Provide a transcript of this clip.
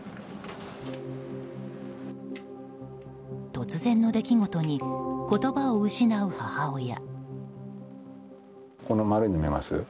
突然の出来事に言葉を失う母親。